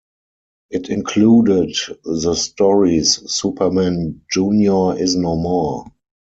It included the stories Superman Junior Is No More!